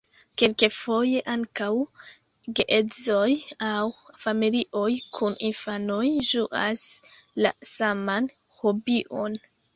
Kelkfoje ankaŭ geedzoj aŭ familioj kun infanoj ĝuas la saman hobion.